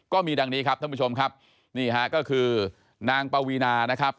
ก็มีดังนี้ครับท่านผู้ชมครับนี่ฮะก็คือนางปวีนานะครับ